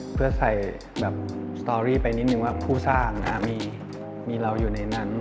เพื่อใส่แบบสตอรี่ไปนิดนึงว่าผู้สร้างมีเราอยู่ในนั้น